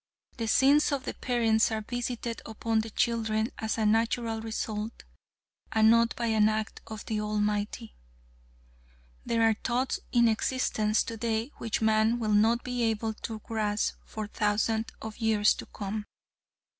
The sins of the parents are visited upon the children as a natural result, and not by an act of the Almighty. There are thoughts in existence today which man will not be able to grasp for thousands of years to come.